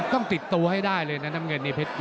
ต้องติดตัวให้ได้เลยนะน้ำเงินนี่เพชร